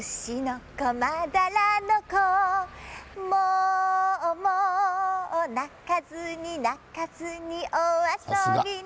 「もうもうなかずになかずにお遊びね」